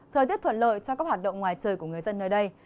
thời tiết thuận lợi cho các hoạt động ngoài trời của người dân nơi đây